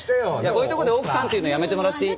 こういうとこで奥さんって言うのやめてもらっていい？